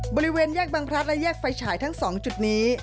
บริเวณแยกบังพลัดและแยกไฟฉายทั้ง๒จุดนี้